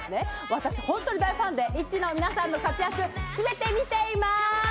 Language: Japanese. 私、本当に大ファンでＩＴＺＹの皆さんの活躍、すべて見ています。